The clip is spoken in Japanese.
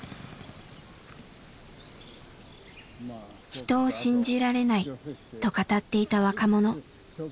「人を信じられない」と語っていた若者。